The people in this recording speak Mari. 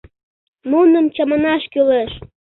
Нуным чаманаш кӱлеш...